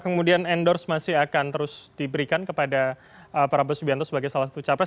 kemudian endorse masih akan terus diberikan kepada prabowo subianto sebagai salah satu capres